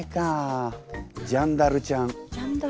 ジャンダルちゃん？